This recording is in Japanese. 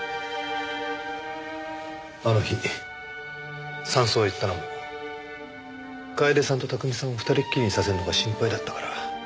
あの日山荘へ行ったのも楓さんと巧さんを二人きりにさせるのが心配だったから。